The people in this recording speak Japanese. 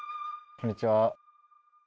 こんにちは。